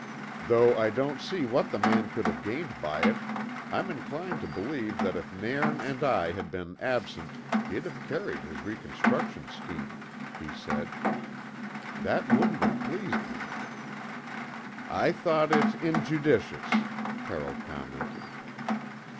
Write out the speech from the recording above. "Though I don't see what the man could have gained by it, I'm inclined to believe that if Nairn and I had been absent he'd have carried his reconstruction scheme," he said. "That wouldn't have pleased me." "I thought it injudicious," Carroll commented.